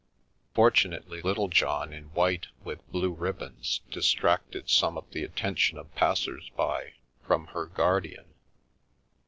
Fortunately, Little john, in white with blue ribbons, distracted some of the attention of passers by from her guardian.